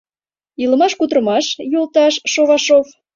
Илымаш-кутырымаш, йолташ Шовашов?..